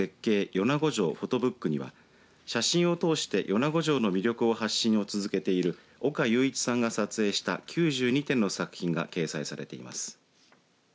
米子城Ｐｈｏｔｏｂｏｏｋには写真をとおして米子城の魅力の発信を続けている岡雄一さんが撮影した９２点の作品が掲載されています。